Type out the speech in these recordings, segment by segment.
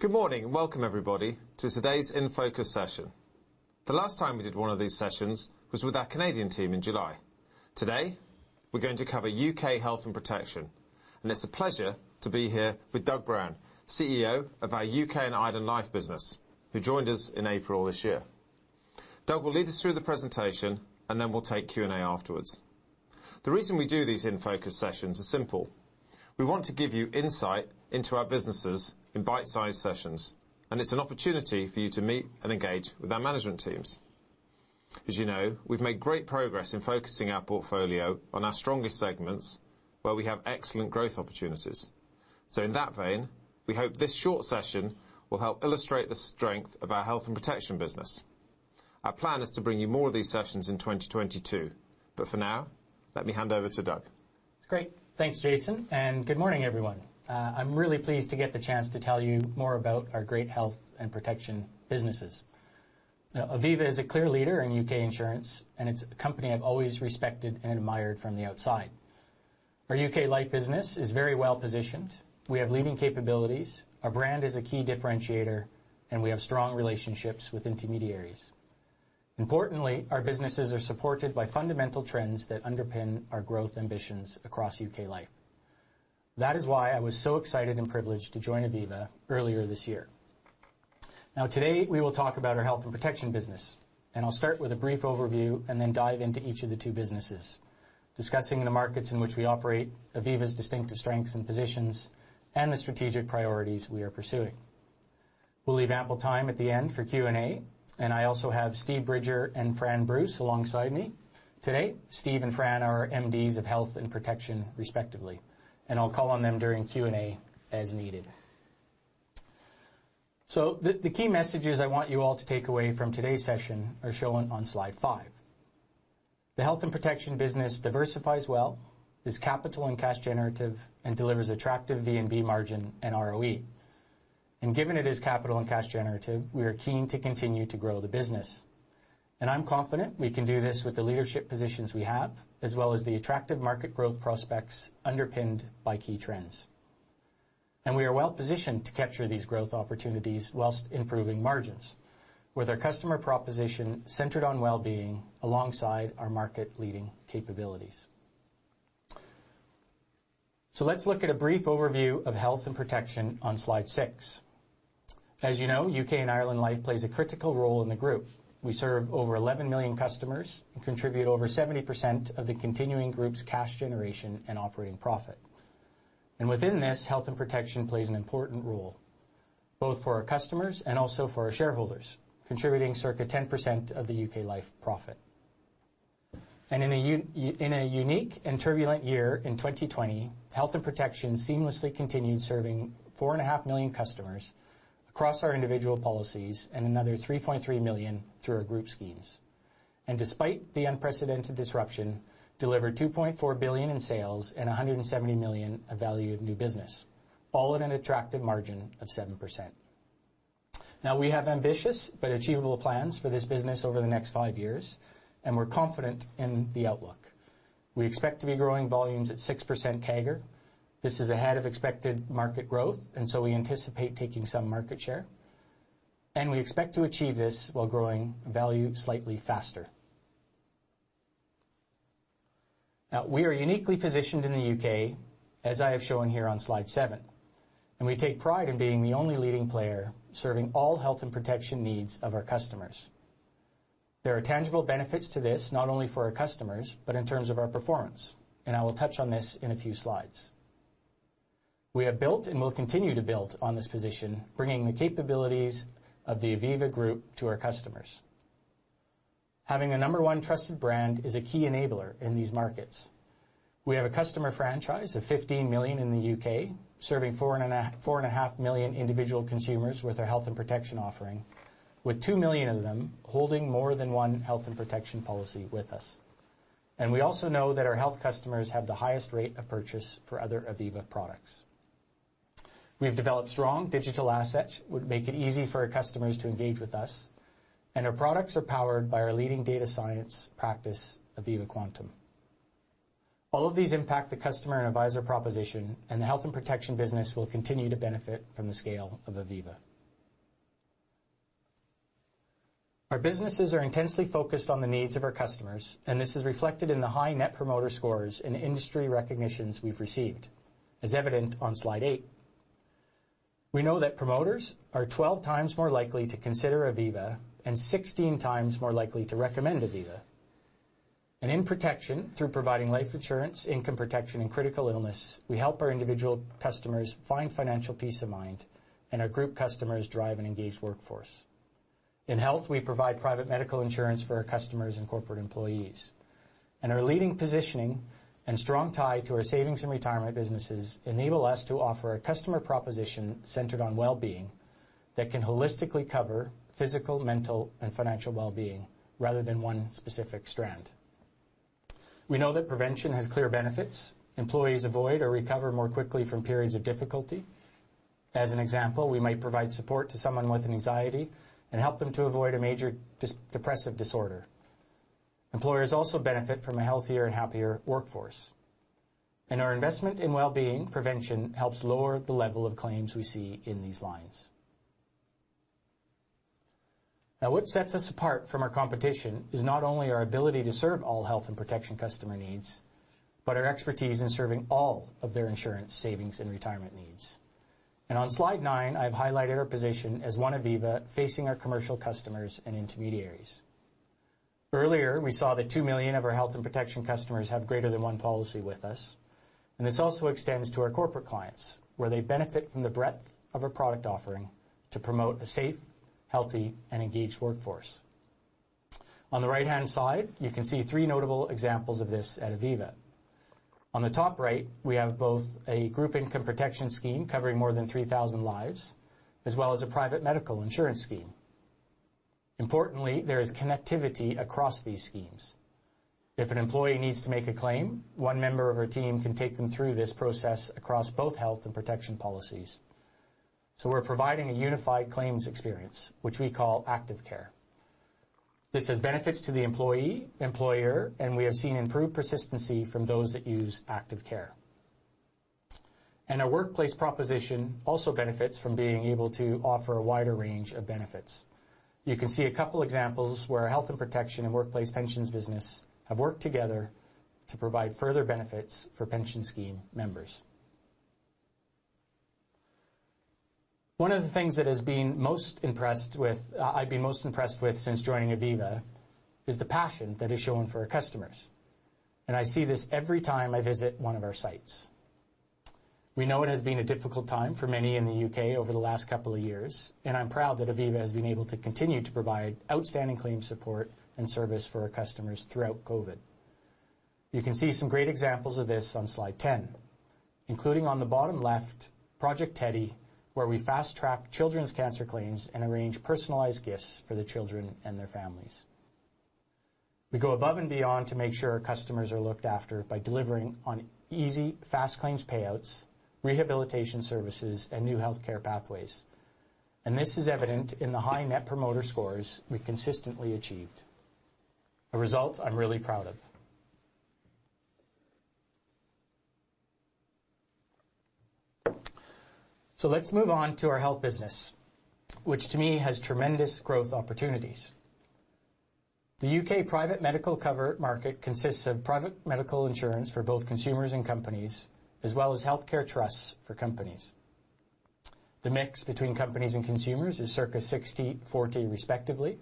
Good morning, and welcome everybody to today's In Focus session. The last time we did one of these sessions was with our Canadian team in July. Today, we're going to cover U.K. Health and Protection, and it's a pleasure to be here with Doug Brown, CEO of our U.K. and Ireland Life business, who joined us in April this year. Doug will lead us through the presentation, and then we'll take Q&A afterwards. The reason we do these In Focus sessions is simple: We want to give you insight into our businesses in bite-sized sessions, and it's an opportunity for you to meet and engage with our management teams. As you know, we've made great progress in focusing our portfolio on our strongest segments, where we have excellent growth opportunities. So in that vein, we hope this short session will help illustrate the strength of our health and protection business. Our plan is to bring you more of these sessions in 2022, but for now, let me hand over to Doug. It's great. Thanks, Jason, and good morning, everyone. I'm really pleased to get the chance to tell you more about our great health and protection businesses. Now, Aviva is a clear leader in U.K. insurance, and it's a company I've always respected and admired from the outside. Our U.K. Life business is very well positioned. We have leading capabilities, our brand is a key differentiator, and we have strong relationships with intermediaries. Importantly, our businesses are supported by fundamental trends that underpin our growth ambitions across U.K. Life. That is why I was so excited and privileged to join Aviva earlier this year. Now, today, we will talk about our health and protection business, and I'll start with a brief overview and then dive into each of the two businesses, discussing the markets in which we operate, Aviva's distinctive strengths and positions, and the strategic priorities we are pursuing. We'll leave ample time at the end for Q&A, and I also have Steve Bridger and Fran Bruce alongside me today. Steve and Fran are our MDs of health and protection, respectively, and I'll call on them during Q&A as needed. So the key messages I want you all to take away from today's session are shown on Slide five. The health and protection business diversifies well, is capital and cash generative, and delivers attractive VNB margin and ROE. And given it is capital and cash generative, we are keen to continue to grow the business, and I'm confident we can do this with the leadership positions we have, as well as the attractive market growth prospects underpinned by key trends. And we are well positioned to capture these growth opportunities while improving margins, with our customer proposition centered on well-being alongside our market-leading capabilities. Let's look at a brief overview of health and protection on Slide six. As you know, U.K. and Ireland Life plays a critical role in the Group. We serve over 11 million customers and contribute over 70% of the continuing Group's cash generation and operating profit. Within this, health and protection plays an important role, both for our customers and also for our shareholders, contributing circa 10% of the U.K. Life profit. In a unique and turbulent year in 2020, health and protection seamlessly continued serving 4.5 million customers across our individual policies and another 3.3 million through our group schemes, and despite the unprecedented disruption, delivered 2.4 billion in sales and 170 million of value of new business, all at an attractive margin of 7%. Now, we have ambitious but achievable plans for this business over the next five years, and we're confident in the outlook. We expect to be growing volumes at 6% CAGR. This is ahead of expected market growth, and so we anticipate taking some market share, and we expect to achieve this while growing value slightly faster. Now, we are uniquely positioned in the U.K., as I have shown here on Slide seven, and we take pride in being the only leading player serving all health and protection needs of our customers. There are tangible benefits to this, not only for our customers, but in terms of our performance, and I will touch on this in a few slides. We have built and will continue to build on this position, bringing the capabilities of the Aviva Group to our customers. Having a number one trusted brand is a key enabler in these markets. We have a customer franchise of 15 million in the U.K., serving 4.5, 4.5 million individual consumers with our health and protection offering, with two million of them holding more than one health and protection policy with us. We also know that our health customers have the highest rate of purchase for other Aviva products. We have developed strong digital assets, which make it easy for our customers to engage with us, and our products are powered by our leading data science practice, Aviva Quantum. All of these impact the customer and advisor proposition, and the health and protection business will continue to benefit from the scale of Aviva. Our businesses are intensely focused on the needs of our customers, and this is reflected in the high Net Promoter Scores and industry recognitions we've received, as evident on Slide eight. We know that promoters are 12x more likely to consider Aviva and 16x more likely to recommend Aviva. In protection, through providing life insurance, income protection, and critical illness, we help our individual customers find financial peace of mind, and our group customers drive an engaged workforce. In health, we provide private medical insurance for our customers and corporate employees, and our leading positioning and strong tie to our savings and retirement businesses enable us to offer a customer proposition centered on well-being that can holistically cover physical, mental, and financial well-being, rather than one specific strand. We know that prevention has clear benefits. Employees avoid or recover more quickly from periods of difficulty. As an example, we might provide support to someone with anxiety and help them to avoid a major depressive disorder... Employers also benefit from a healthier and happier workforce, and our investment in well-being prevention helps lower the level of claims we see in these lines. Now, what sets us apart from our competition is not only our ability to serve all health and protection customer needs, but our expertise in serving all of their insurance, savings, and retirement needs. On Slide nine, I've highlighted our position as One Aviva facing our commercial customers and intermediaries. Earlier, we saw that two million of our health and protection customers have greater than one policy with us, and this also extends to our corporate clients, where they benefit from the breadth of our product offering to promote a safe, healthy, and engaged workforce. On the right-hand side, you can see three notable examples of this at Aviva. On the top right, we have both a group income protection scheme covering more than 3,000 lives, as well as a private medical insurance scheme. Importantly, there is connectivity across these schemes. If an employee needs to make a claim, one member of our team can take them through this process across both health and protection policies. So we're providing a unified claims experience, which we call Active Care. This has benefits to the employee, employer, and we have seen improved persistency from those that use Active Care. Our workplace proposition also benefits from being able to offer a wider range of benefits. You can see a couple examples where our health and protection and workplace pensions business have worked together to provide further benefits for pension scheme members. One of the things I've been most impressed with since joining Aviva is the passion that is shown for our customers, and I see this every time I visit one of our sites. We know it has been a difficult time for many in the U.K. over the last couple of years, and I'm proud that Aviva has been able to continue to provide outstanding claim support and service for our customers throughout COVID. You can see some great examples of this on Slide 10, including on the bottom left, Project Teddy, where we fast-tracked children's cancer claims and arranged personalized gifts for the children and their families. We go above and beyond to make sure our customers are looked after by delivering on easy, fast claims payouts, rehabilitation services, and new healthcare pathways. And this is evident in the high Net Promoter Scores we consistently achieved, a result I'm really proud of. So let's move on to our health business, which to me has tremendous growth opportunities. The U.K. private medical cover market consists of private medical insurance for both consumers and companies, as well as healthcare trusts for companies. The mix between companies and consumers is circa 60/40, respectively,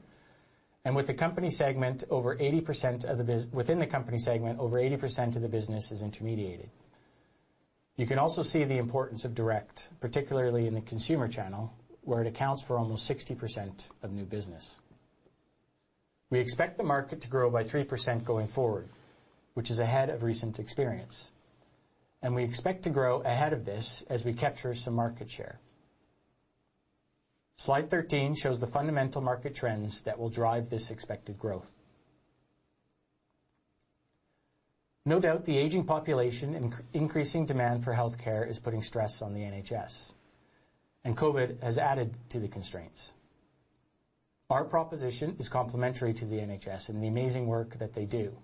and within the company segment, over 80% of the business is intermediated. You can also see the importance of direct, particularly in the consumer channel, where it accounts for almost 60% of new business. We expect the market to grow by 3% going forward, which is ahead of recent experience, and we expect to grow ahead of this as we capture some market share. Slide 13 shows the fundamental market trends that will drive this expected growth. No doubt, the aging population and increasing demand for healthcare is putting stress on the NHS, and COVID has added to the constraints. Our proposition is complementary to the NHS and the amazing work that they do.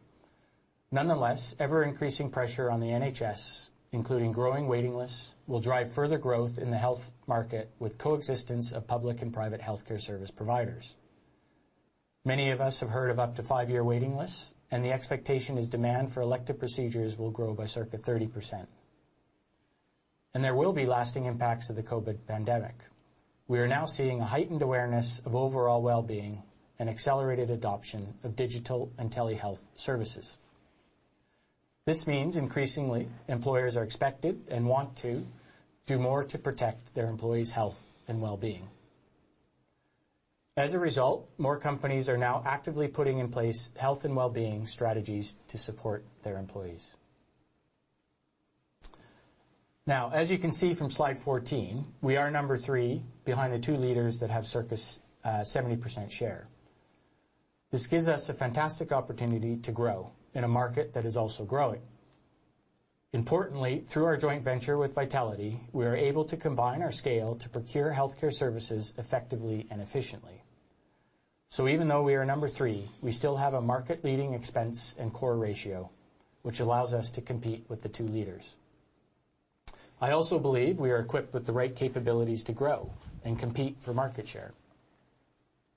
Nonetheless, ever-increasing pressure on the NHS, including growing waiting lists, will drive further growth in the health market with coexistence of public and private healthcare service providers. Many of us have heard of up to five-year waiting lists, and the expectation is demand for elective procedures will grow by circa 30%, and there will be lasting impacts of the COVID pandemic. We are now seeing a heightened awareness of overall well-being and accelerated adoption of digital and telehealth services. This means increasingly, employers are expected and want to do more to protect their employees' health and well-being. As a result, more companies are now actively putting in place health and well-being strategies to support their employees. Now, as you can see from Slide 14, we are number three behind the two leaders that have circa seventy percent share. This gives us a fantastic opportunity to grow in a market that is also growing. Importantly, through our joint venture with Vitality, we are able to combine our scale to procure healthcare services effectively and efficiently. So even though we are number three, we still have a market-leading expense and COR ratio, which allows us to compete with the two leaders. I also believe we are equipped with the right capabilities to grow and compete for market share.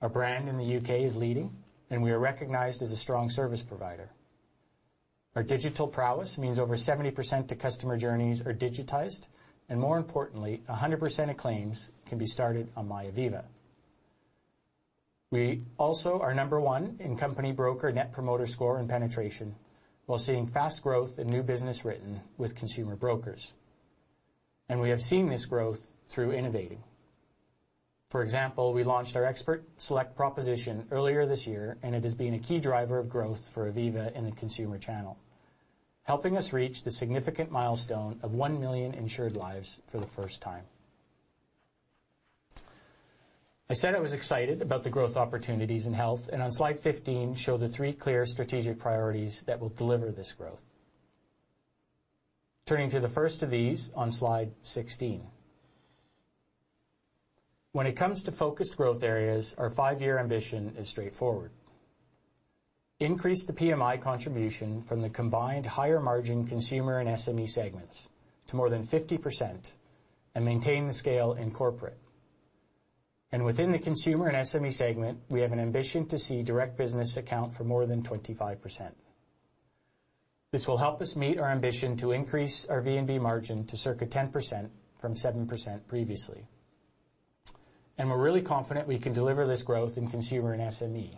Our brand in the U.K. is leading, and we are recognized as a strong service provider. Our digital prowess means over 70% of customer journeys are digitized, and more importantly, 100% of claims can be started on MyAviva. We also are number one in company broker Net Promoter Score and penetration while seeing fast growth in new business written with consumer brokers, and we have seen this growth through innovating. For example, we launched our Expert Select proposition earlier this year, and it has been a key driver of growth for Aviva in the consumer channel, helping us reach the significant milestone of one million insured lives for the first time. I said I was excited about the growth opportunities in health, and on Slide 15, show the three clear strategic priorities that will deliver this growth. Turning to the first of these on Slide 16. When it comes to focused growth areas, our five-year ambition is straightforward: increase the PMI contribution from the combined higher margin consumer and SME segments to more than 50% and maintain the scale in corporate. And within the consumer and SME segment, we have an ambition to see direct business account for more than 25%. This will help us meet our ambition to increase our VNB margin to circa 10% from 7% previously. And we're really confident we can deliver this growth in consumer and SME.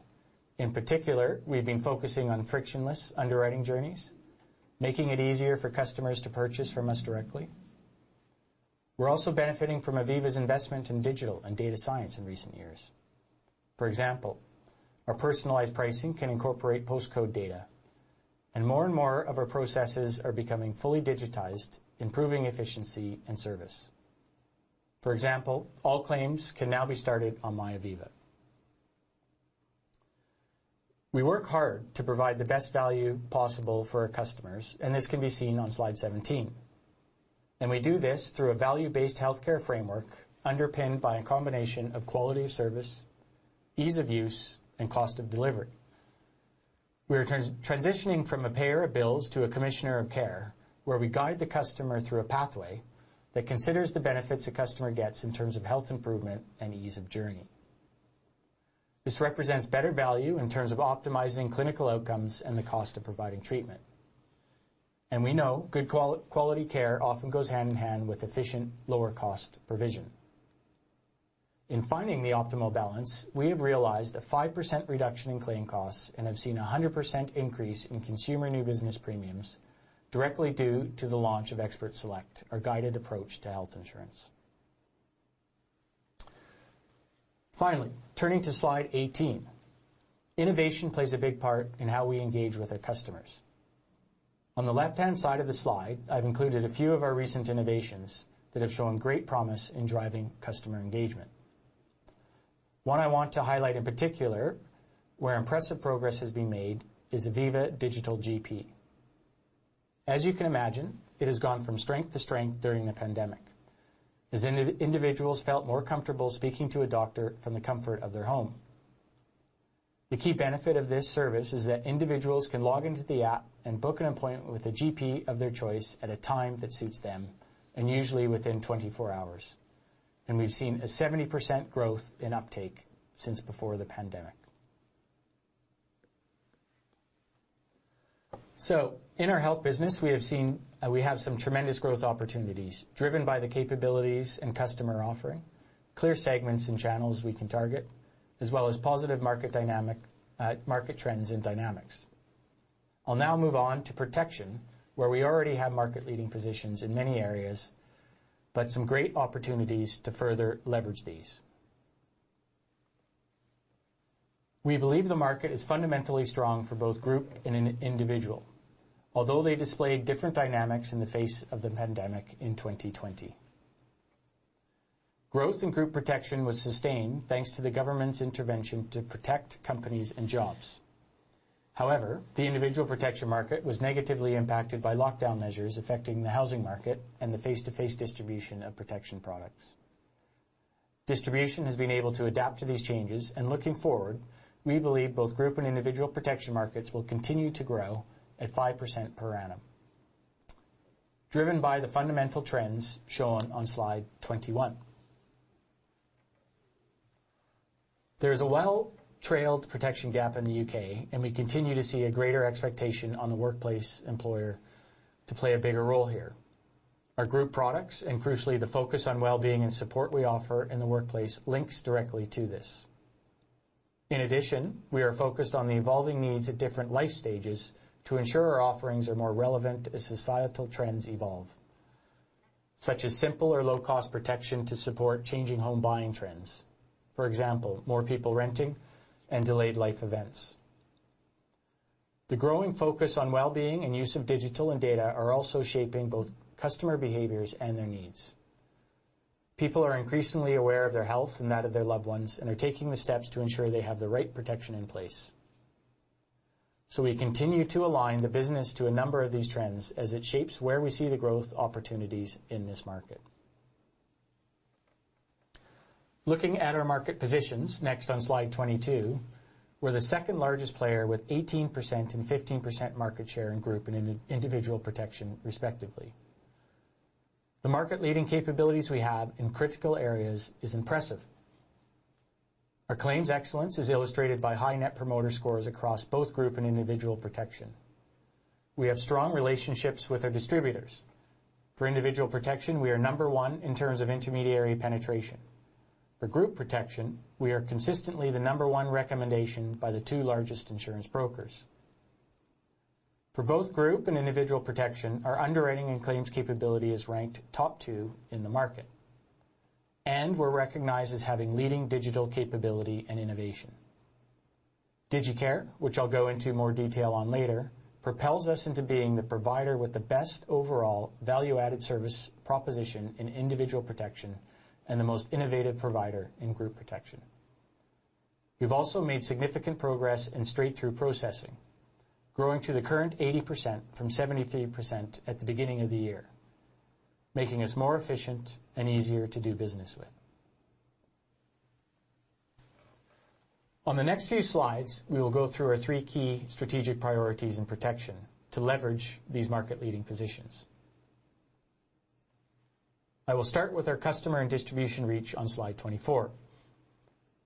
In particular, we've been focusing on frictionless underwriting journeys, making it easier for customers to purchase from us directly. We're also benefiting from Aviva's investment in digital and data science in recent years. For example, our personalized pricing can incorporate postcode data, and more and more of our processes are becoming fully digitized, improving efficiency and service. For example, all claims can now be started on MyAviva. We work hard to provide the best value possible for our customers, and this can be seen on Slide 17. We do this through a value-based healthcare framework underpinned by a combination of quality of service, ease of use, and cost of delivery. We are transitioning from a payer of bills to a commissioner of care, where we guide the customer through a pathway that considers the benefits a customer gets in terms of health improvement and ease of journey. This represents better value in terms of optimizing clinical outcomes and the cost of providing treatment. We know good quality care often goes hand in hand with efficient, lower cost provision. In finding the optimal balance, we have realized a 5% reduction in claim costs and have seen a 100% increase in consumer new business premiums directly due to the launch of Expert Select, our guided approach to health insurance. Finally, turning to Slide 18. Innovation plays a big part in how we engage with our customers. On the left-hand side of the slide, I've included a few of our recent innovations that have shown great promise in driving customer engagement. One I want to highlight in particular, where impressive progress has been made, is Aviva Digital GP. As you can imagine, it has gone from strength to strength during the pandemic, as individuals felt more comfortable speaking to a doctor from the comfort of their home. The key benefit of this service is that individuals can log into the app and book an appointment with a GP of their choice at a time that suits them, and usually within 24 hours. And we've seen a 70% growth in uptake since before the pandemic. So in our health business, we have seen, we have some tremendous growth opportunities driven by the capabilities and customer offering, clear segments and channels we can target, as well as positive market dynamic, market trends and dynamics. I'll now move on to protection, where we already have market-leading positions in many areas, but some great opportunities to further leverage these. We believe the market is fundamentally strong for both group and in individual, although they displayed different dynamics in the face of the pandemic in 2020. Growth in group protection was sustained thanks to the government's intervention to protect companies and jobs. However, the individual protection market was negatively impacted by lockdown measures affecting the housing market and the face-to-face distribution of protection products. Distribution has been able to adapt to these changes, and looking forward, we believe both group and individual protection markets will continue to grow at 5% per annum, driven by the fundamental trends shown on Slide 21. There's a well-trailed protection gap in the U.K., and we continue to see a greater expectation on the workplace employer to play a bigger role here. Our group products and crucially, the focus on well-being and support we offer in the workplace links directly to this. In addition, we are focused on the evolving needs at different life stages to ensure our offerings are more relevant as societal trends evolve, such as simple or low-cost protection to support changing home buying trends. For example, more people renting and delayed life events. The growing focus on well-being and use of digital and data are also shaping both customer behaviors and their needs. People are increasingly aware of their health and that of their loved ones and are taking the steps to ensure they have the right protection in place. So we continue to align the business to a number of these trends as it shapes where we see the growth opportunities in this market. Looking at our market positions next on Slide 22, we're the second largest player with 18% and 15% market share in group and individual protection, respectively. The market-leading capabilities we have in critical areas is impressive. Our claims excellence is illustrated by high Net Promoter Scores across both group and individual protection. We have strong relationships with our distributors. For individual protection, we are number one in terms of intermediary penetration. For group protection, we are consistently the number one recommendation by the two largest insurance brokers. For both group and individual protection, our underwriting and claims capability is ranked top two in the market, and we're recognized as having leading digital capability and innovation. DigiCare, which I'll go into more detail on later, propels us into being the provider with the best overall value-added service proposition in individual protection and the most innovative provider in group protection. We've also made significant progress in straight-through processing, growing to the current 80% from 73% at the beginning of the year, making us more efficient and easier to do business with. On the next few slides, we will go through our three key strategic priorities in protection to leverage these market-leading positions. I will start with our customer and distribution reach on Slide 24.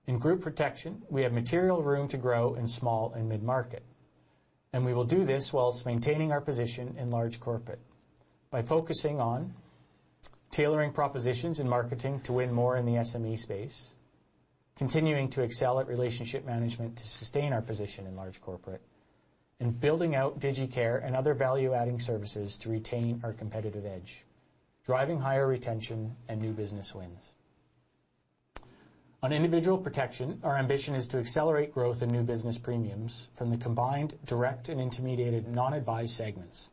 In group protection, we have material room to grow in small and mid-market, and we will do this while maintaining our position in large corporate by focusing on tailoring propositions and marketing to win more in the SME space, continuing to excel at relationship management to sustain our position in large corporate, and building out DigiCare and other value-adding services to retain our competitive edge, driving higher retention and new business wins. On individual protection, our ambition is to accelerate growth in new business premiums from the combined direct and intermediated non-advised segments,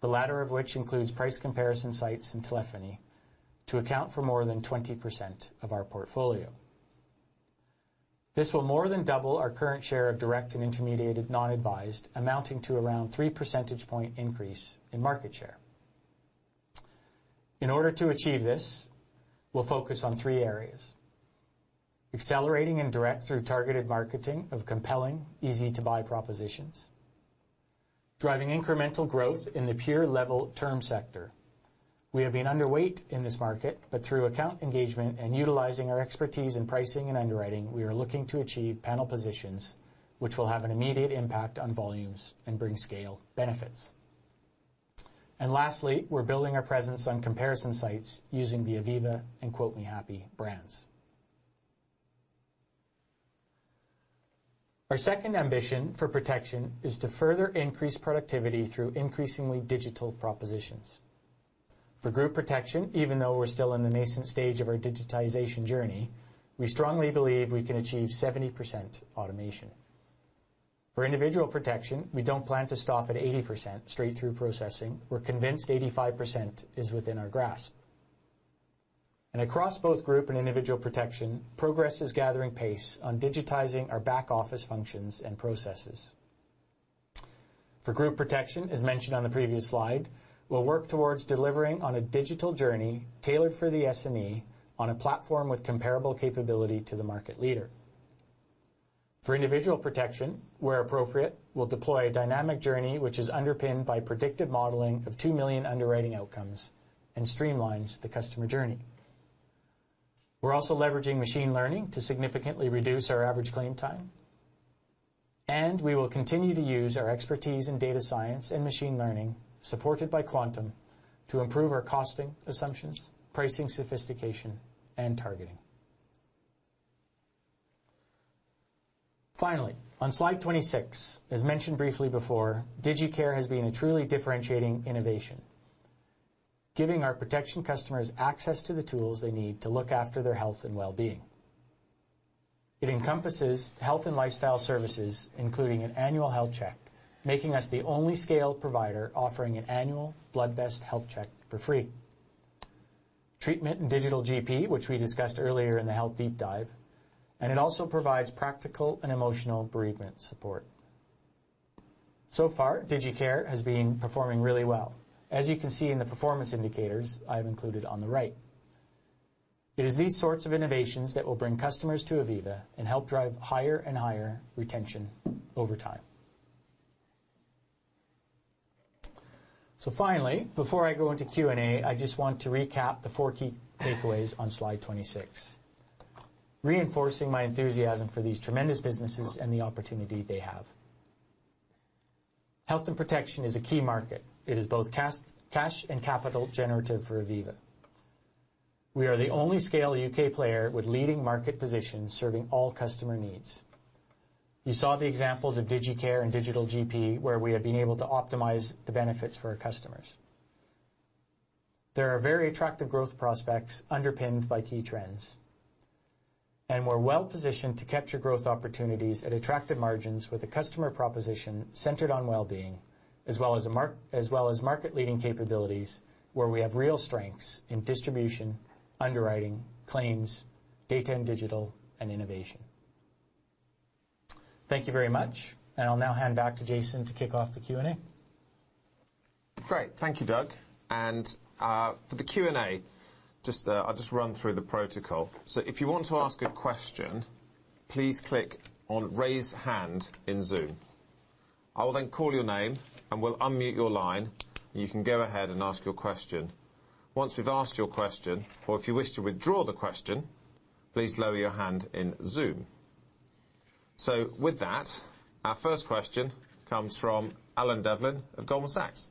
the latter of which includes price comparison sites and telephony, to account for more than 20% of our portfolio. This will more than double our current share of direct and intermediated non-advised, amounting to around three percentage point increase in market share. In order to achieve this, we'll focus on three areas: accelerating in direct through targeted marketing of compelling, easy-to-buy propositions, driving incremental growth in the pure level term sector. We have been underweight in this market, but through account engagement and utilizing our expertise in pricing and underwriting, we are looking to achieve panel positions, which will have an immediate impact on volumes and bring scale benefits. And lastly, we're building our presence on comparison sites using the Aviva and Quote Me Happy brands. Our second ambition for protection is to further increase productivity through increasingly digital propositions. For group protection, even though we're still in the nascent stage of our digitization journey, we strongly believe we can achieve 70% automation. For individual protection, we don't plan to stop at 80% straight through processing. We're convinced 85% is within our grasp. And across both group and individual protection, progress is gathering pace on digitizing our back-office functions and processes. For group protection, as mentioned on the previous slide, we'll work towards delivering on a digital journey tailored for the SME on a platform with comparable capability to the market leader. For individual protection, where appropriate, we'll deploy a dynamic journey, which is underpinned by predictive modeling of two million underwriting outcomes and streamlines the customer journey. We're also leveraging machine learning to significantly reduce our average claim time, and we will continue to use our expertise in data science and machine learning, supported by Quantum, to improve our costing assumptions, pricing sophistication, and targeting. Finally, on Slide 26, as mentioned briefly before, DigiCare has been a truly differentiating innovation, giving our protection customers access to the tools they need to look after their health and well-being. It encompasses health and lifestyle services, including an annual health check, making us the only scale provider offering an annual blood test health check for free. Treatment and digital GP, which we discussed earlier in the health deep dive, and it also provides practical and emotional bereavement support. So far, DigiCare has been performing really well, as you can see in the performance indicators I have included on the right. It is these sorts of innovations that will bring customers to Aviva and help drive higher and higher retention over time. So finally, before I go into Q&A, I just want to recap the four key takeaways on Slide 26, reinforcing my enthusiasm for these tremendous businesses and the opportunity they have. Health and protection is a key market. It is both cash, cash and capital generative for Aviva. We are the only scale U.K. player with leading market positions serving all customer needs. You saw the examples of DigiCare and Digital GP, where we have been able to optimize the benefits for our customers. There are very attractive growth prospects underpinned by key trends, and we're well positioned to capture growth opportunities at attractive margins with a customer proposition centered on well-being, as well as market-leading capabilities, where we have real strengths in distribution, underwriting, claims, data and digital, and innovation. Thank you very much, and I'll now hand back to Jason to kick off the Q&A. Great. Thank you, Doug. And, for the Q&A, just, I'll just run through the protocol. So if you want to ask a question, please click on Raise Hand in Zoom. I will then call your name, and we'll unmute your line, and you can go ahead and ask your question. Once we've asked your question, or if you wish to withdraw the question, please lower your hand in Zoom. So with that, our first question comes from Alan Devlin of Goldman Sachs.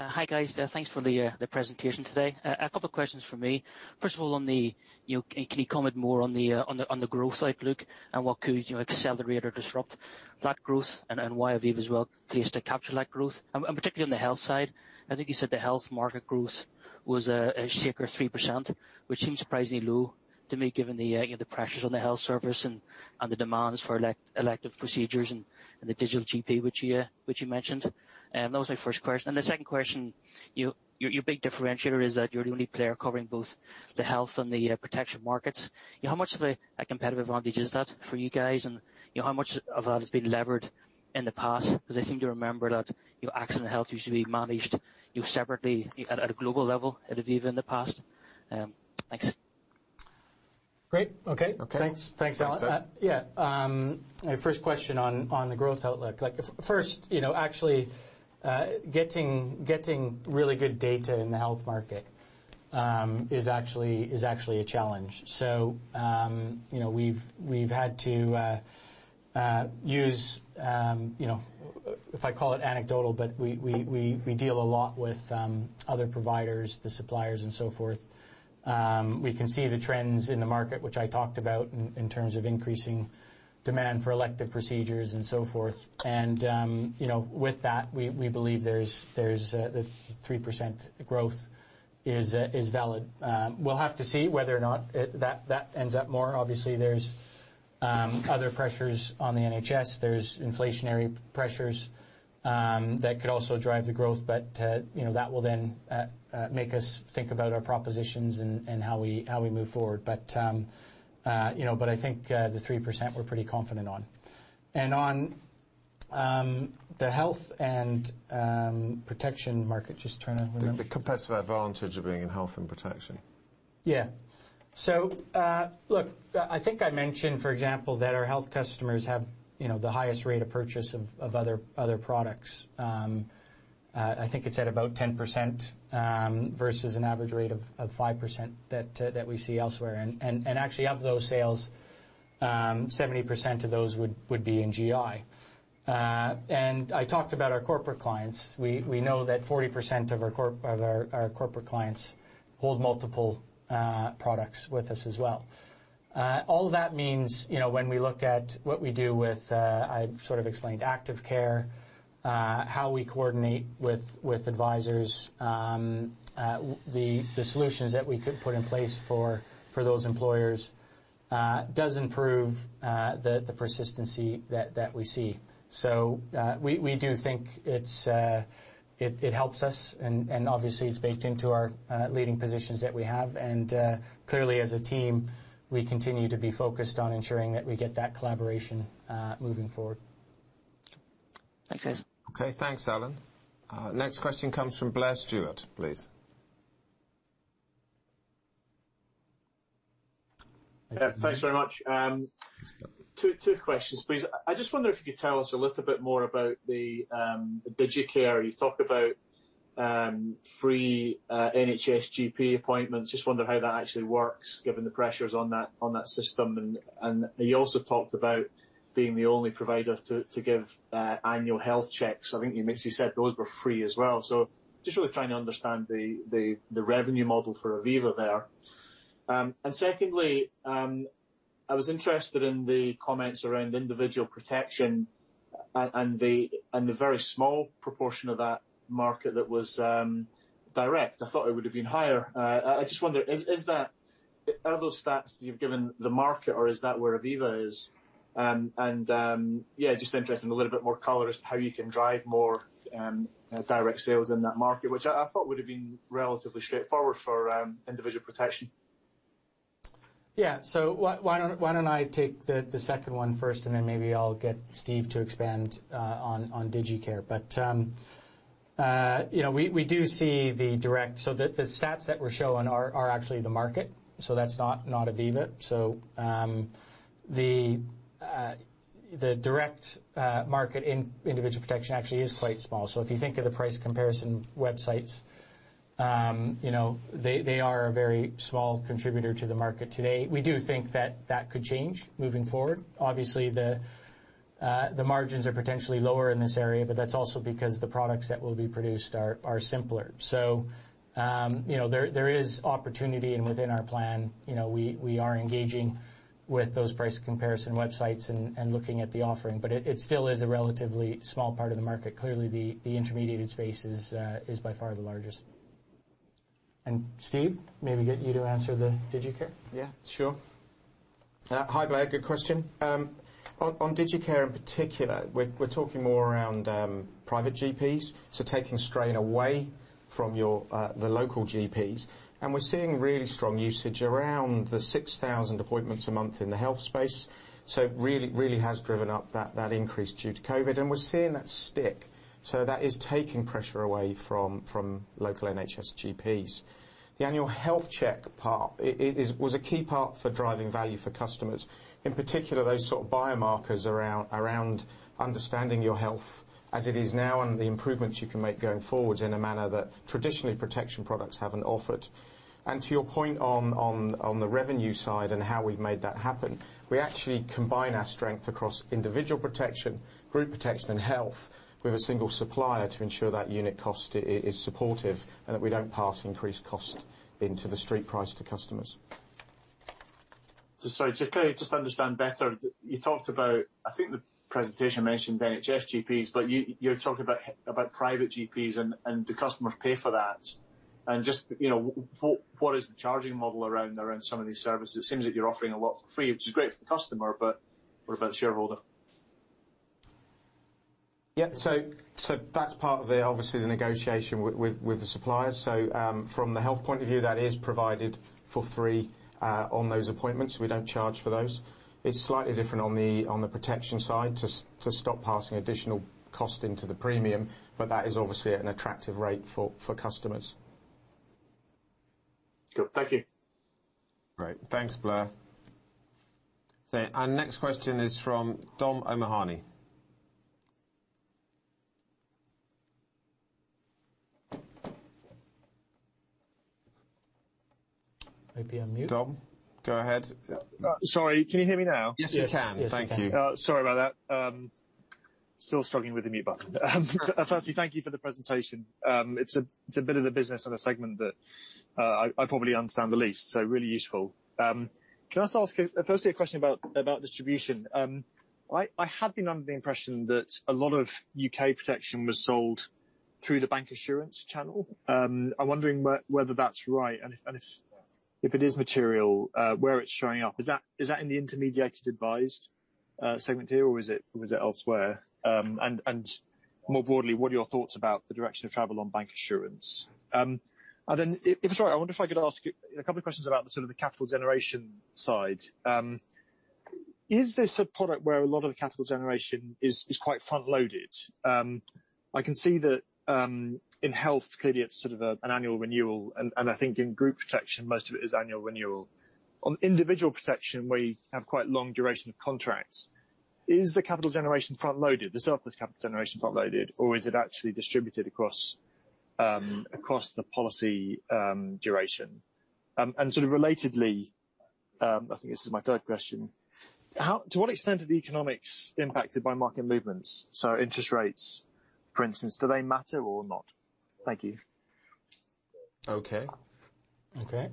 Hi, guys. Thanks for the presentation today. A couple questions from me. First of all, on the growth outlook. You know, can you comment more on the growth outlook and what could accelerate or disrupt that growth, and why Aviva is well-placed to capture that growth? And particularly on the health side, I think you said the health market growth was a CAGR 3%, which seems surprisingly low to me, given the pressures on the health service and the demands for elective procedures and the digital GP, which you mentioned. That was my first question. And the second question, you know, your big differentiator is that you're the only player covering both the health and the protection markets. How much of a competitive advantage is that for you guys, and, you know, how much of that has been levered in the past? Because I seem to remember that your accident health used to be managed, you know, separately at a global level at Aviva in the past. Thanks. Great. Okay. Okay. Thanks. Thanks, Alan. Yeah, my first question on the growth outlook. Like, first, you know, actually, getting really good data in the health market is actually a challenge. So, you know, we've had to use, you know, if I call it anecdotal, but we deal a lot with other providers, the suppliers, and so forth. We can see the trends in the market, which I talked about, in terms of increasing demand for elective procedures and so forth, and, you know, with that, we believe there's the 3% growth is valid. We'll have to see whether or not it... That ends up more. Obviously, there's other pressures on the NHS. There's inflationary pressures that could also drive the growth, but, you know, that will then make us think about our propositions and how we move forward. But, you know, but I think the 3% we're pretty confident on. And on the health and protection market, just trying to remember- The competitive advantage of being in health and protection. Yeah. So, look, I think I mentioned, for example, that our health customers have, you know, the highest rate of purchase of other products. I think it's at about 10%, versus an average rate of 5% that we see elsewhere, and actually, of those sales, 70% of those would be in GI. And I talked about our corporate clients. We know that 40% of our corporate clients hold multiple products with us as well. All that means, you know, when we look at what we do with... I sort of explained Active Care, how we coordinate with advisors, the solutions that we could put in place for those employers does improve the persistency that we see. So, we do think it helps us, and obviously, it's baked into our leading positions that we have, and clearly, as a team, we continue to be focused on ensuring that we get that collaboration moving forward. Thanks, guys. Okay, thanks, Alan. Next question comes from Blair Stewart, please. Yeah, thanks very much. Two questions, please. I just wonder if you could tell us a little bit more about the DigiCare. You talked about free NHS GP appointments. Just wonder how that actually works, given the pressures on that system, and you also talked about being the only provider to give annual health checks. I think you basically said those were free as well, so just really trying to understand the revenue model for Aviva there. And secondly, I was interested in the comments around individual protection and the very small proportion of that market that was direct. I thought it would have been higher. I just wonder, is that... Are those stats that you've given the market, or is that where Aviva is? Yeah, just interested in a little bit more color as to how you can drive more direct sales in that market, which I thought would have been relatively straightforward for individual protection. Yeah, so why don't I take the second one first, and then maybe I'll get Steve to expand on DigiCare. But, you know, we do see the direct... So the stats that we're showing are actually the market, so that's not Aviva. So, the direct market in individual protection actually is quite small. So if you think of the price comparison websites, you know, they are a very small contributor to the market today. We do think that that could change moving forward. Obviously, the margins are potentially lower in this area, but that's also because the products that will be produced are simpler. So, you know, there is opportunity, and within our plan, you know, we are engaging with those price comparison websites and looking at the offering, but it still is a relatively small part of the market. Clearly, the intermediated space is by far the largest. And Steve, maybe get you to answer the DigiCare? Yeah, sure. Hi, Blair, good question. On, on DigiCare in particular, we're, we're talking more around private GPs, so taking strain away from the local GPs, and we're seeing really strong usage around the 6,000 appointments a month in the health space, so it really, really has driven up that, that increase due to COVID, and we're seeing that stick. So that is taking pressure away from local NHS GPs. The annual health check part, it was a key part for driving value for customers, in particular, those sort of biomarkers around understanding your health as it is now and the improvements you can make going forward in a manner that traditionally protection products haven't offered. To your point on the revenue side and how we've made that happen, we actually combine our strength across individual protection, group protection, and health with a single supplier to ensure that unit cost is supportive, and that we don't pass increased cost into the street price to customers. So sorry, to kind of just understand better, you talked about... I think the presentation mentioned the NHS GPs, but you, you're talking about about private GPs, and, and the customers pay for that. And just, you know, what, what is the charging model around, around some of these services? It seems like you're offering a lot for free, which is great for the customer, but what about the shareholder? Yeah, so that's part of the, obviously, the negotiation with the suppliers. So, from the health point of view, that is provided for free on those appointments. We don't charge for those. It's slightly different on the protection side, to stop passing additional cost into the premium, but that is obviously at an attractive rate for customers. ... Cool. Thank you. Great. Thanks, Blair. Okay, our next question is from Dom O'Mahony. Might be on mute. Dom, go ahead. Yep. Sorry, can you hear me now? Yes, we can. Yes. Thank you. Sorry about that. Still struggling with the mute button. Firstly, thank you for the presentation. It's a bit of the business and a segment that I probably understand the least, so really useful. Can I just ask, firstly, a question about distribution? I had been under the impression that a lot of U.K. protection was sold through the bancassurance channel. I'm wondering whether that's right, and if it is material, where it's showing up. Is that in the intermediated advised segment here, or is it elsewhere? And more broadly, what are your thoughts about the direction of travel on bancassurance? And then, if it's all right, I wonder if I could ask you a couple of questions about the sort of the capital generation side. Is this a product where a lot of the capital generation is quite front-loaded? I can see that, in health, clearly, it's sort of an annual renewal, and I think in group protection, most of it is annual renewal. On individual protection, we have quite long duration of contracts. Is the capital generation front-loaded? The surplus capital generation front-loaded, or is it actually distributed across the policy duration? And sort of relatedly, I think this is my third question: To what extent are the economics impacted by market movements? So interest rates, for instance, do they matter or not? Thank you. Okay. Okay.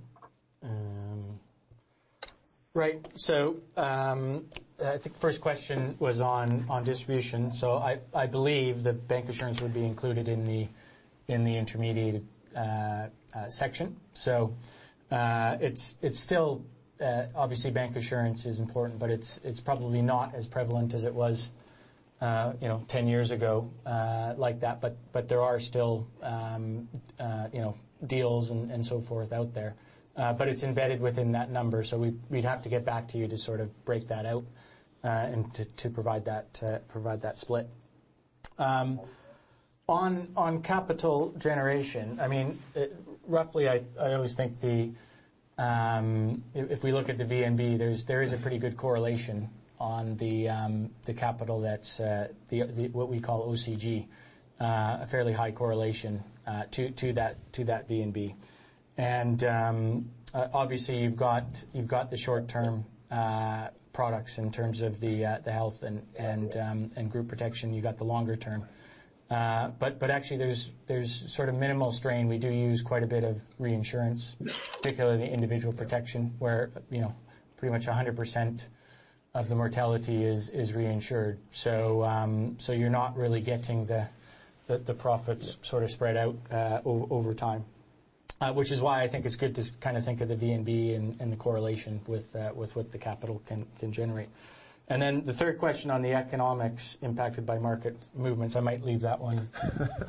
Right, so, I think the first question was on distribution. So I believe that bancassurance would be included in the intermediate section. So, it's still obviously bancassurance is important, but it's probably not as prevalent as it was, you know, 10 years ago, like that, but there are still, you know, deals and so forth out there. But it's embedded within that number, so we'd have to get back to you to sort of break that out, and to provide that split. On capital generation, I mean, roughly, I always think the... If we look at the VNB, there is a pretty good correlation on the capital that's what we call OCG, a fairly high correlation to that VNB. And obviously, you've got the short-term products in terms of the health and group protection. You've got the longer term. But actually, there's sort of minimal strain. We do use quite a bit of reinsurance, particularly the individual protection, where, you know, pretty much 100% of the mortality is reinsured. So you're not really getting the profits- Yeah... sort of spread out over time. Which is why I think it's good to kind of think of the VNB and the correlation with what the capital can generate. And then the third question on the economics impacted by market movements, I might leave that one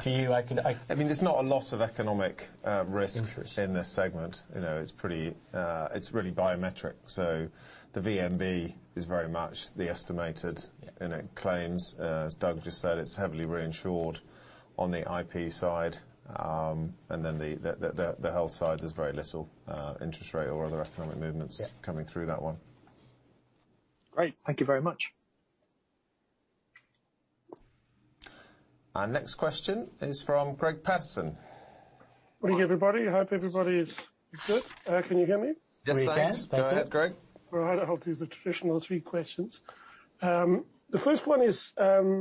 to you. I can, I- I mean, there's not a lot of economic risk- Interest... in this segment. You know, it's pretty, it's really biometric. So the VNB is very much the estimated, you know, claims. As Doug just said, it's heavily reinsured on the IP side. And then the health side, there's very little interest rate or other economic movements- Yeah... coming through that one. Great. Thank you very much. Our next question is from Greig Paterson. Good morning, everybody. Hope everybody is good. Can you hear me? Yes, thanks. We can. Go ahead, Greig. All right, I'll have to use the traditional three questions. The first one is, all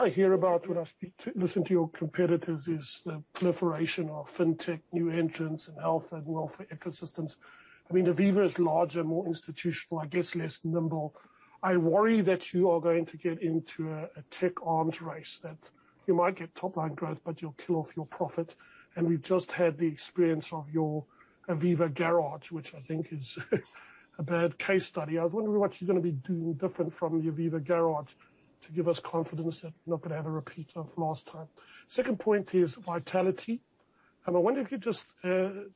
I hear about when I speak to—listen to your competitors is the proliferation of fintech, new entrants, and health and welfare ecosystems. I mean, Aviva is larger, more institutional, I guess, less nimble. I worry that you are going to get into a tech arms race, that you might get top-line growth, but you'll kill off your profit, and we've just had the experience of your Aviva Garage, which I think is a bad case study. I was wondering what you're gonna be doing different from the Aviva Garage to give us confidence that we're not gonna have a repeat of last time? Second point is Vitality, and I wonder if you could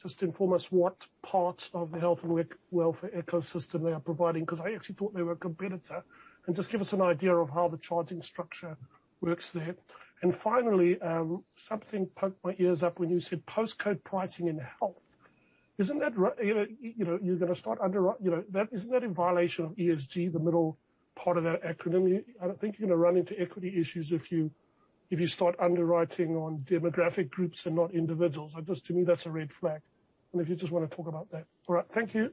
just inform us what parts of the health and welfare ecosystem they are providing, 'cause I actually thought they were a competitor. And just give us an idea of how the charging structure works there. And finally, something poked my ears up when you said postcode pricing in health. Isn't that right, you know, you know, you're gonna start underwriting, you know, that... Isn't that in violation of ESG, the middle part of that acronym? I think you're gonna run into equity issues if you start underwriting on demographic groups and not individuals. So just, to me, that's a red flag, and if you just wanna talk about that. All right. Thank you.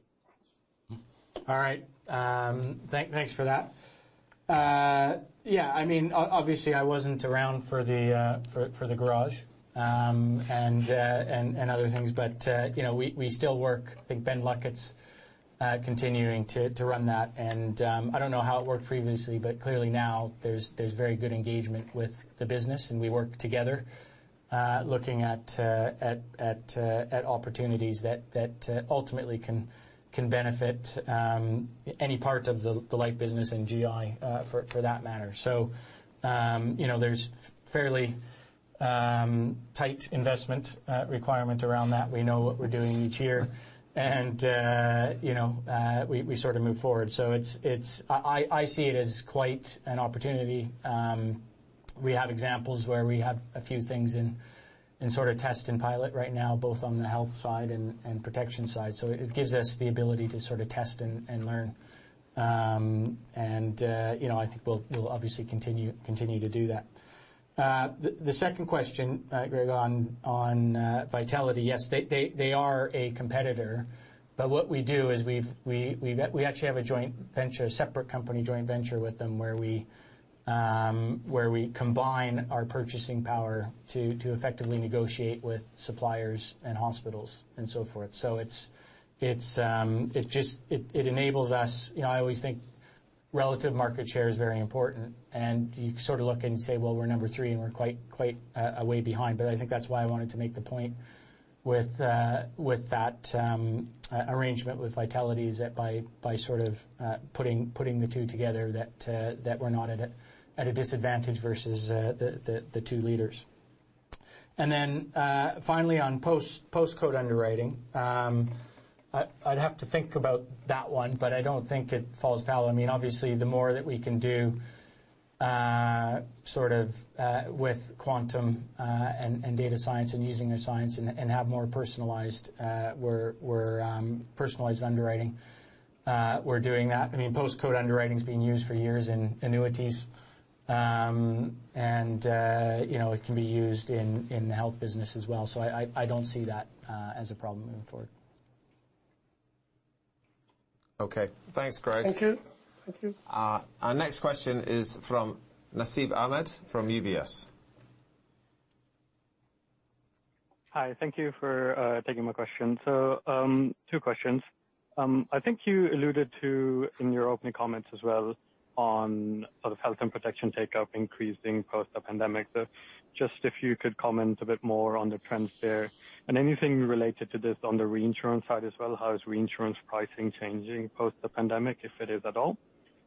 All right. Thanks for that. Yeah, I mean, obviously I wasn't around for the garage and other things. But you know, we still work... I think Ben Luckett's continuing to run that. And I don't know how it worked previously, but clearly now, there's very good engagement with the business, and we work together looking at opportunities that ultimately can benefit any part of the life business and GI, for that matter. So you know, there's fairly tight investment requirement around that. We know what we're doing each year, and you know, we sort of move forward. So it's... I see it as quite an opportunity... We have examples where we have a few things in sort of test and pilot right now, both on the health side and protection side. So it gives us the ability to sort of test and learn. And you know, I think we'll obviously continue to do that. The second question, Greg, on Vitality, yes, they are a competitor, but what we do is we've actually have a joint venture, a separate company joint venture with them, where we combine our purchasing power to effectively negotiate with suppliers and hospitals and so forth. So it's... It just enables us. You know, I always think relative market share is very important, and you sort of look and say, "Well, we're number three, and we're quite, quite a way behind." But I think that's why I wanted to make the point with that arrangement with Vitality, is that by sort of putting the two together, that we're not at a disadvantage versus the two leaders. And then finally, on postcode underwriting, I'd have to think about that one, but I don't think it falls foul. I mean, obviously, the more that we can do sort of with quantum and data science and using their science and have more personalized. We're personalized underwriting, we're doing that. I mean, postcode underwriting's been used for years in annuities. And you know, it can be used in the health business as well. So I don't see that as a problem moving forward. Okay. Thanks, Greig. Thank you. Thank you. Our next question is from Nasib Ahmed from UBS. Hi, thank you for taking my question. So, two questions. I think you alluded to, in your opening comments as well, on sort of health and protection take-up increasing post the pandemic. So just if you could comment a bit more on the trends there. And anything related to this on the reinsurance side as well, how is reinsurance pricing changing post the pandemic, if it is at all?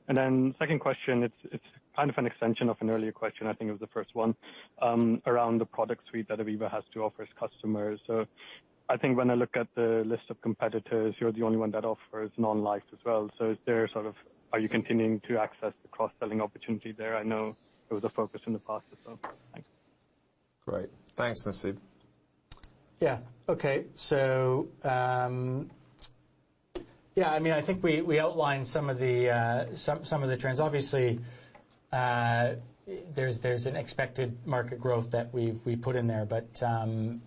And then second question, it's kind of an extension of an earlier question, I think it was the first one, around the product suite that Aviva has to offer its customers. So I think when I look at the list of competitors, you're the only one that offers non-life as well. So is there sort of... Are you continuing to access the cross-selling opportunity there? I know it was a focus in the past as well. Thanks. Great. Thanks, Nasib. Yeah. Okay, so, Yeah, I mean, I think we outlined some of the trends. Obviously, there's an expected market growth that we've put in there, but,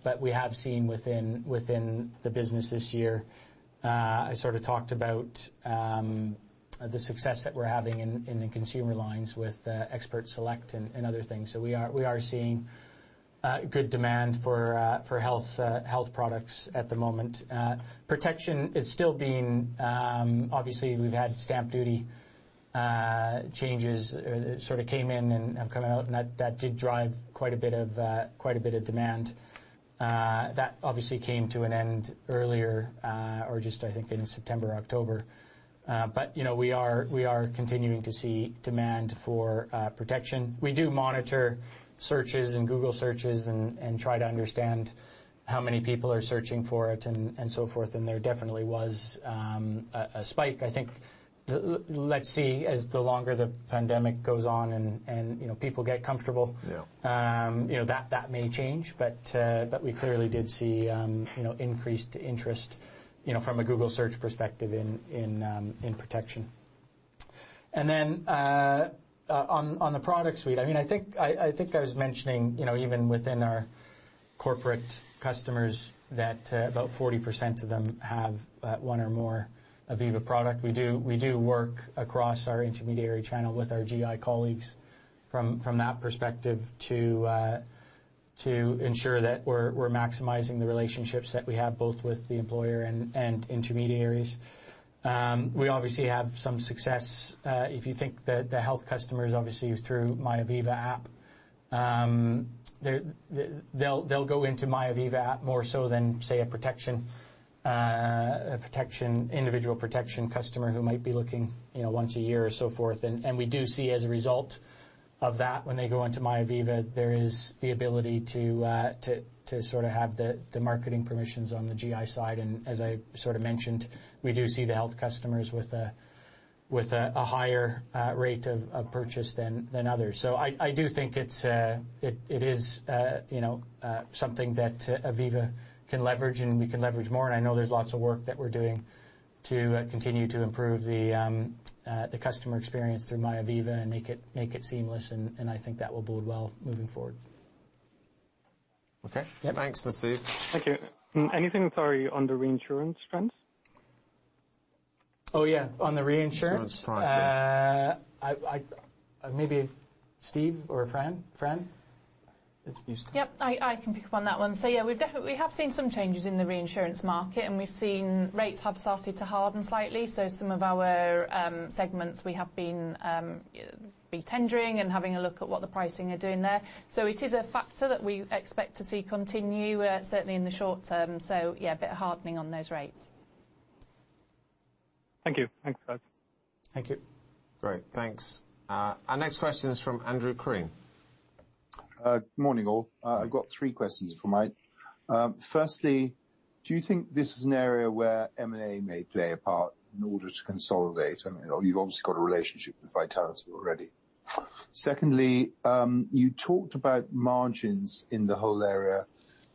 but we have seen within the business this year, I sort of talked about the success that we're having in the consumer lines with Expert Select and other things. So we are seeing good demand for health products at the moment. Protection is still being... Obviously, we've had stamp duty changes, sort of came in and have come out, and that did drive quite a bit of demand. That obviously came to an end earlier, or just, I think, in September, October. But you know, we are, we are continuing to see demand for protection. We do monitor searches and Google searches and, and try to understand how many people are searching for it and, and so forth, and there definitely was a spike. I think let's see, as the longer the pandemic goes on and, and, you know, people get comfortable- Yeah... you know, that, that may change. But, but we clearly did see, you know, increased interest, you know, from a Google search perspective in, in, in protection. And then, on, on the product suite, I mean, I, I think I was mentioning, you know, even within our corporate customers, that about 40% of them have, one or more Aviva product. We do, we do work across our intermediary channel with our GI colleagues from, from that perspective to, to ensure that we're, we're maximizing the relationships that we have, both with the employer and, and intermediaries. We obviously have some success. If you think the health customers, obviously, through MyAviva app, they'll go into MyAviva app more so than, say, a protection, a protection, individual protection customer who might be looking, you know, once a year or so forth. We do see as a result of that, when they go into MyAviva, there is the ability to sort of have the marketing permissions on the GI side. As I sort of mentioned, we do see the health customers with a higher rate of purchase than others. So I do think it's, it is, you know, something that Aviva can leverage, and we can leverage more. And I know there's lots of work that we're doing to continue to improve the customer experience through MyAviva and make it, make it seamless, and, and I think that will bode well moving forward. Okay. Yeah. Thanks, Nasib. Thank you. Anything, sorry, on the reinsurance front? Oh, yeah, on the reinsurance- Reinsurance pricing. Maybe Steve or Fran? Fran? Yep, I can pick up on that one. So yeah, we've definitely seen some changes in the reinsurance market, and we've seen rates have started to harden slightly. So some of our segments, we have been re-tendering and having a look at what the pricing are doing there. So it is a factor that we expect to see continue, certainly in the short term. So yeah, a bit of hardening on those rates. Thank you. Thanks, guys. Thank you. Great, thanks. Our next question is from Andrew Crean.... Good morning, all. I've got three questions for Mike. Firstly, do you think this is an area where M&A may play a part in order to consolidate? And you've obviously got a relationship with Vitality already. Secondly, you talked about margins in the whole area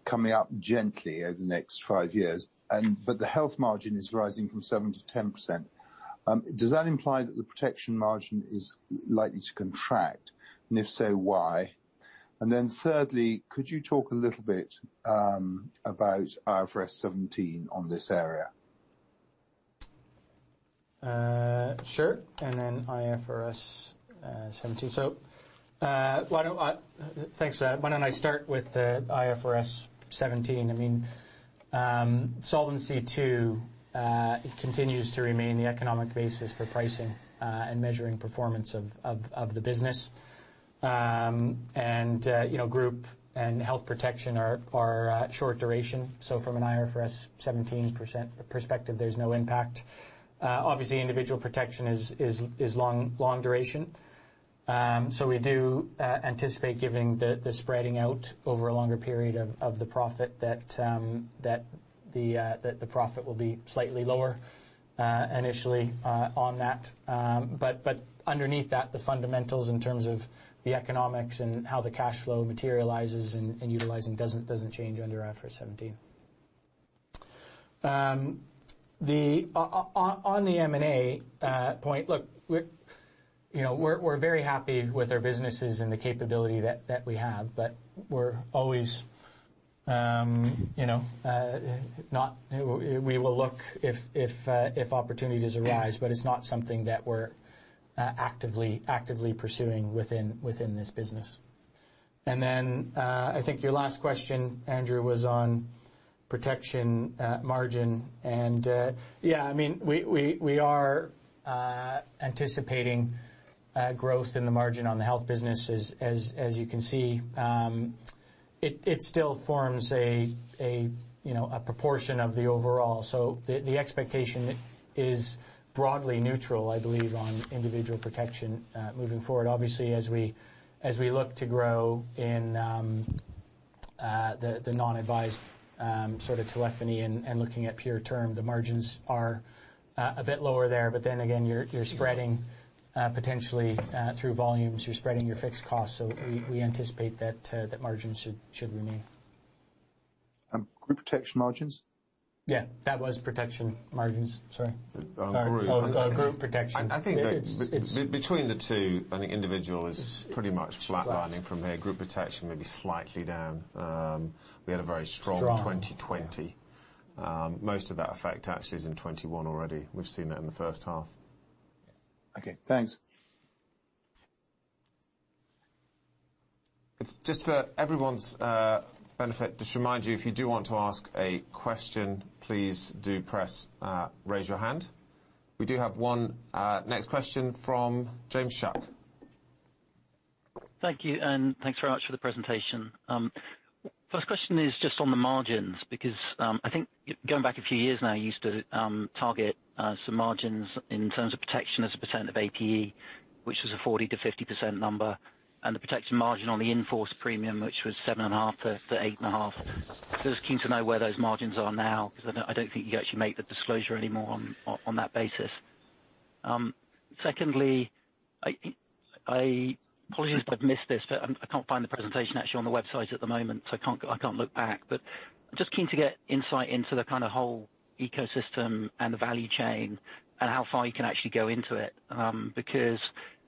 coming up gently over the next five years, and but the health margin is rising from 7%-10%. Does that imply that the protection margin is likely to contract, and if so, why? And then thirdly, could you talk a little bit about IFRS 17 on this area? Sure, and then IFRS 17. So, why don't I... Thanks for that. Why don't I start with the IFRS 17? I mean, Solvency II continues to remain the economic basis for pricing and measuring performance of the business. And, you know, group and health protection are short duration, so from an IFRS 17 perspective, there's no impact. Obviously, individual protection is long duration. So we do anticipate giving the spreading out over a longer period of the profit that the profit will be slightly lower initially on that. But underneath that, the fundamentals in terms of the economics and how the cash flow materializes and utilizing doesn't change under IFRS 17. On the M&A point, look, we're, you know, we're very happy with our businesses and the capability that we have, but we're always, you know, not... We will look if opportunities arise, but it's not something that we're actively pursuing within this business. And then, I think your last question, Andrew, was on protection margin, and yeah, I mean, we are anticipating growth in the margin on the health business as you can see. It still forms a proportion of the overall. So the expectation is broadly neutral, I believe, on individual protection moving forward. Obviously, as we look to grow in the non-advised sort of telephony and looking at pure term, the margins are a bit lower there, but then again, you're spreading potentially through volumes, you're spreading your fixed costs, so we anticipate that margins should remain. Group protection margins? Yeah, that was protection margins, sorry. On group. Oh, group protection. I think it's between the two. I think individual is pretty much flatlining from here. It's flat. Group protection may be slightly down. We had a very strong- Strong... 2020. Most of that effect actually is in 2021 already. We've seen that in the first half. Okay, thanks. Just for everyone's benefit, just remind you, if you do want to ask a question, please do press raise your hand. We do have one next question from James Shuck. Thank you, and thanks very much for the presentation. First question is just on the margins, because I think going back a few years now, you used to target some margins in terms of protection as a percent of APE, which was a 40%-50% number, and the protection margin on the in-force premium, which was 7.5 to 8.5. Just keen to know where those margins are now, because I don't think you actually make the disclosure anymore on that basis. Secondly, apologies if I've missed this, but I can't find the presentation actually on the website at the moment, so I can't look back. But just keen to get insight into the kind of whole ecosystem and the value chain and how far you can actually go into it. Because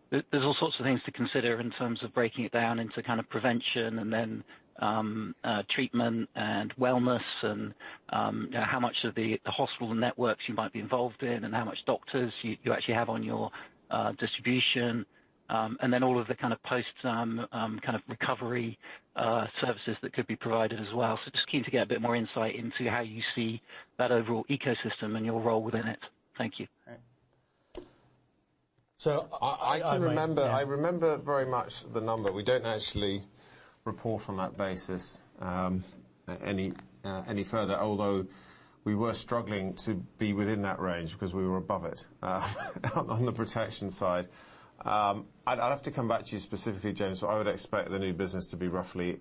there, there's all sorts of things to consider in terms of breaking it down into kind of prevention and then, treatment and wellness and, how much of the, the hospital networks you might be involved in, and how much doctors you actually have on your, distribution. And then all of the kind of post, kind of recovery, services that could be provided as well. So just keen to get a bit more insight into how you see that overall ecosystem and your role within it. Thank you. I can remember- I... Yeah. I remember very much the number. We don't actually report on that basis, any, any further, although we were struggling to be within that range because we were above it, on the protection side. I'd, I'll have to come back to you specifically, James, but I would expect the new business to be roughly,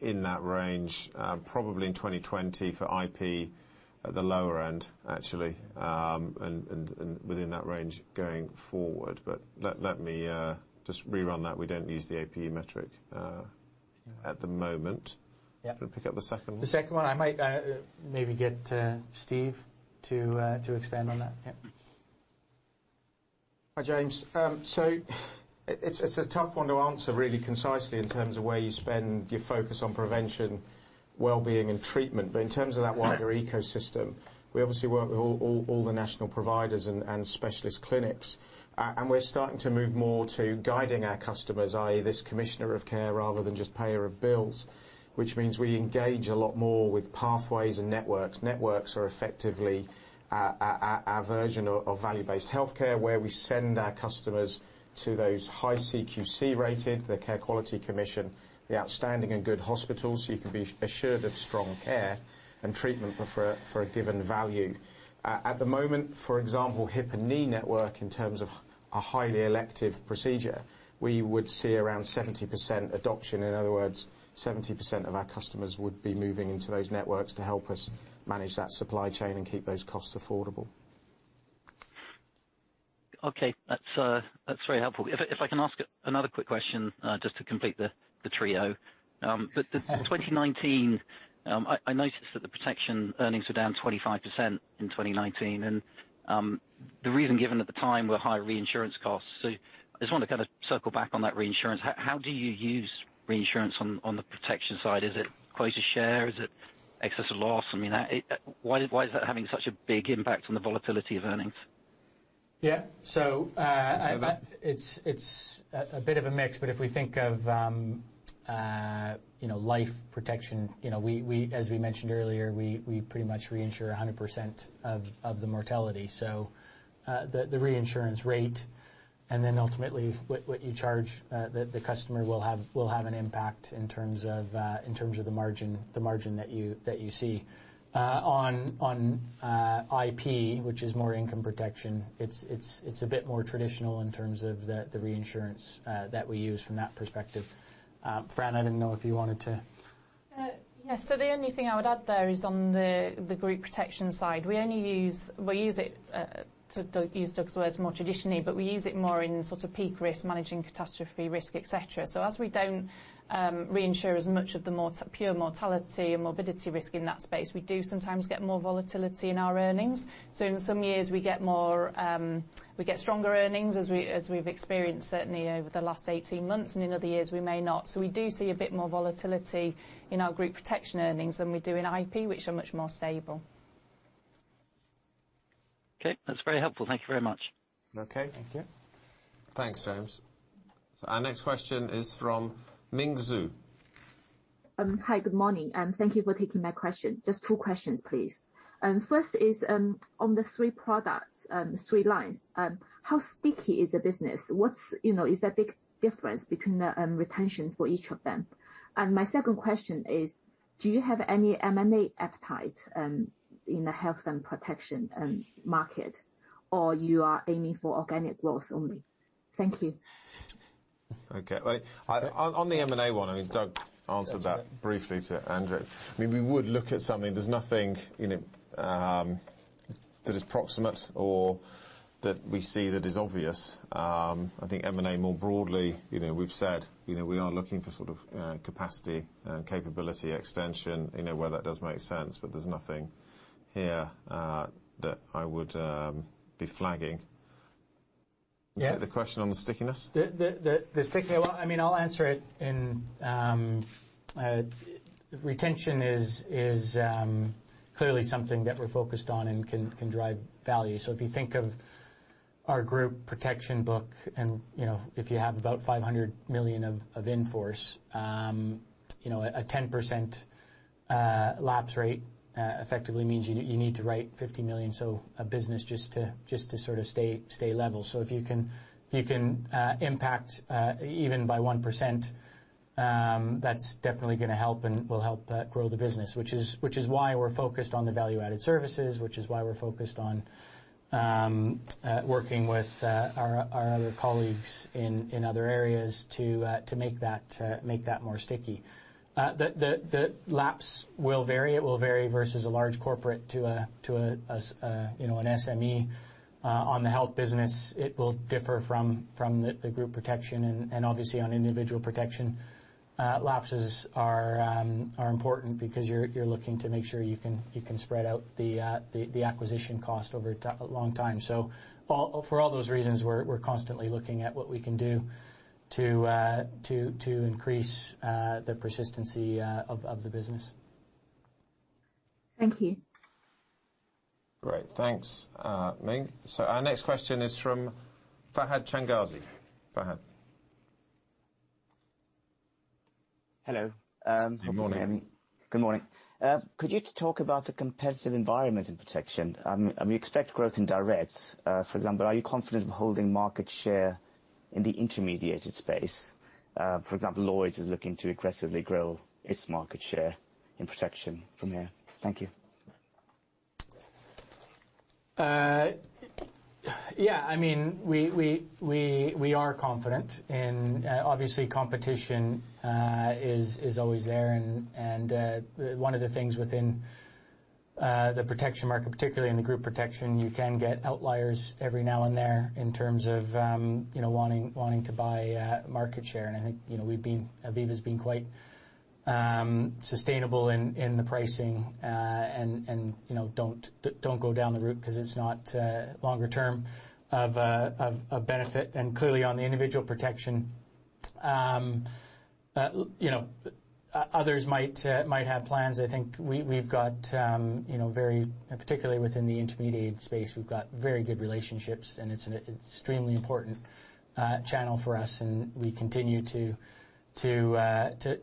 in that range, probably in 2020 for IP at the lower end, actually, and, and, and within that range going forward. But let, let me, just rerun that. We don't use the APE metric, at the moment. Yeah. Do you want to pick up the second one? The second one, I might maybe get Steve to expand on that. Yeah. Hi, James. So it's a tough one to answer really concisely in terms of where you spend your focus on prevention, wellbeing, and treatment. But in terms of that wider ecosystem, we obviously work with all the national providers and specialist clinics. And we're starting to move more to guiding our customers, i.e., this commissioner of care rather than just payer of bills, which means we engage a lot more with pathways and networks. Networks are effectively our version of value-based healthcare, where we send our customers to those high CQC-rated, the Care Quality Commission, the outstanding and good hospitals, so you can be assured of strong care and treatment for a given value. At the moment, for example, hip and knee network, in terms of a highly elective procedure, we would see around 70% adoption. In other words, 70% of our customers would be moving into those networks to help us manage that supply chain and keep those costs affordable.... Okay, that's, that's very helpful. If, if I can ask another quick question, just to complete the, the trio. But the 2019, I, I noticed that the protection earnings were down 25% in 2019, and, the reason given at the time were higher reinsurance costs. So I just want to kind of circle back on that reinsurance. How, how do you use reinsurance on, on the protection side? Is it quota share? Is it excess of loss? I mean, it... Why is, why is that having such a big impact on the volatility of earnings? Yeah. So, You start that. It's a bit of a mix, but if we think of you know, life protection, you know, we, as we mentioned earlier, we pretty much reinsure 100% of the mortality. So, the reinsurance rate and then ultimately what you charge the customer will have an impact in terms of the margin that you see. On IP, which is more income protection, it's a bit more traditional in terms of the reinsurance that we use from that perspective. Fran, I didn't know if you wanted to... Yes, so the only thing I would add there is on the group protection side. We only use it to use Doug's words more traditionally, but we use it more in sort of peak risk, managing catastrophe risk, et cetera. So as we don't reinsure as much of the pure mortality and morbidity risk in that space, we do sometimes get more volatility in our earnings. So in some years, we get more, we get stronger earnings, as we, as we've experienced certainly over the last 18 months, and in other years we may not. So we do see a bit more volatility in our group protection earnings than we do in IP, which are much more stable. Okay, that's very helpful. Thank you very much. Okay, thank you. Thanks, James. So our next question is from Ming Zhu. Hi, good morning, and thank you for taking my question. Just two questions, please. First is, on the three products, three lines, how sticky is the business? What's... You know, is there a big difference between the retention for each of them? And my second question is, do you have any M&A appetite in the health and protection market, or you are aiming for organic growth only? Thank you. Okay. Well, on the M&A one, I mean, Doug answered that briefly to Andrew. I mean, we would look at something. There's nothing, you know, that is proximate or that we see that is obvious. I think M&A more broadly, you know, we've said, you know, we are looking for sort of, capacity and capability extension, you know, where that does make sense, but there's nothing here, that I would, be flagging. Yeah. You take the question on the stickiness? The stickiness... Well, I mean, I'll answer it in... Retention is clearly something that we're focused on and can drive value. So if you think of our group protection book and, you know, if you have about 500 million of in-force, you know, a 10% lapse rate effectively means you need to write 50 million, so a business just to sort of stay level. So if you can impact even by 1%, that's definitely gonna help and will help grow the business, which is why we're focused on the value-added services, which is why we're focused on working with our other colleagues in other areas to make that more sticky. The lapse will vary. It will vary versus a large corporate to an SME, you know. On the health business, it will differ from the group protection and obviously on individual protection. Lapses are important because you're looking to make sure you can spread out the acquisition cost over a long time. For all those reasons, we're constantly looking at what we can do to increase the persistency of the business. Thank you. Great. Thanks, Ming. Our next question is from Fahad Changazi. Fahad? Hello. Good morning. Good morning. Could you talk about the competitive environment in protection? We expect growth in direct. For example, are you confident holding market share in the intermediated space? For example, Lloyds is looking to aggressively grow its market share in protection from here. Thank you. Yeah, I mean, we are confident in... Obviously competition is always there, and one of the things within the protection market, particularly in the group protection, you can get outliers every now and then in terms of, you know, wanting to buy market share, and I think, you know, we've been, Aviva's been quite sustainable in the pricing, and, you know, don't go down the route 'cause it's not longer term of benefit. And clearly, on the individual protection, you know, others might have plans. I think we've got, you know, very... Particularly within the intermediate space, we've got very good relationships, and it's an extremely important channel for us, and we continue to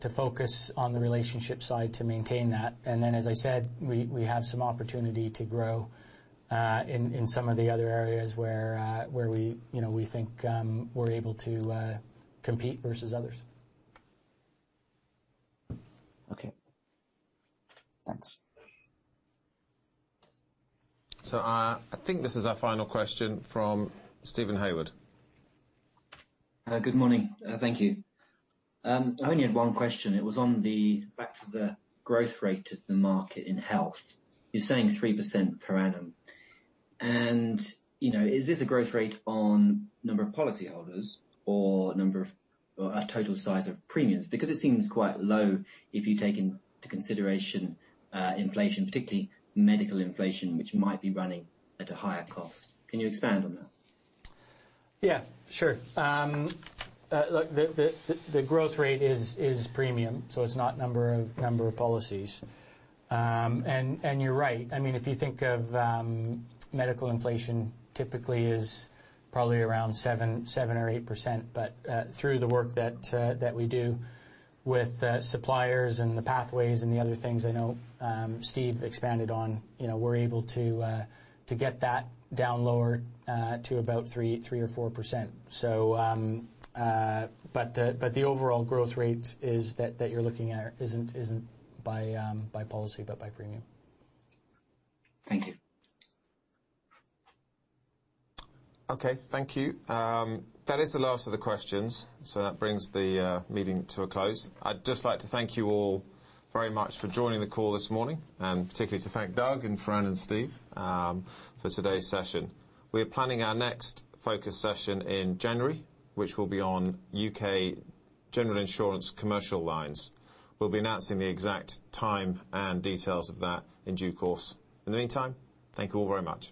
focus on the relationship side to maintain that. And then, as I said, we have some opportunity to grow in some of the other areas where we you know we think we're able to compete versus others. Okay. Thanks. So, I think this is our final question from Steven Haywood. Good morning. Thank you. I only had one question. It was on the, back to the growth rate of the market in health. You're saying 3% per annum, and, you know, is this a growth rate on number of policyholders or number of, or a total size of premiums? Because it seems quite low if you take into consideration, inflation, particularly medical inflation, which might be running at a higher cost. Can you expand on that? Yeah, sure. Look, the growth rate is premium, so it's not number of policies. And you're right. I mean, if you think of medical inflation, typically it's probably around 7% or 8%, but through the work that we do with suppliers and the pathways and the other things I know Steve expanded on, you know, we're able to get that down lower to about 3% or 4%. So, but the overall growth rate that you're looking at isn't by policy, but by premium. Thank you. Okay, thank you. That is the last of the questions, so that brings the meeting to a close. I'd just like to thank you all very much for joining the call this morning, and particularly to thank Doug and Fran and Steve for today's session. We're planning our next focus session in January, which will be on UK General Insurance Commercial Lines. We'll be announcing the exact time and details of that in due course. In the meantime, thank you all very much.